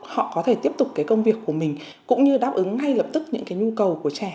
họ có thể tiếp tục cái công việc của mình cũng như đáp ứng ngay lập tức những cái nhu cầu của trẻ